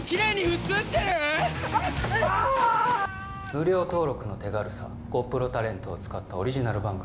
えっあっ無料登録の手軽さゴップロタレントを使ったオリジナル番組